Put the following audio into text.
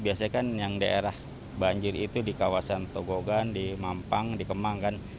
biasanya kan yang daerah banjir itu di kawasan togogan di mampang di kemang kan